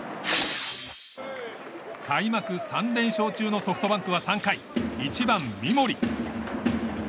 開幕３連勝中のソフトバンクは３回１番、三森。